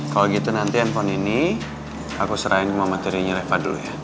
kalau gitu nanti handphone ini aku serahin ke materianya reva dulu ya